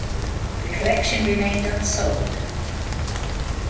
The collection remained unsold.